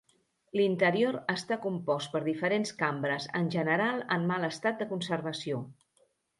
L'interior està compost per diferents cambres, en general en mal estat de conservació.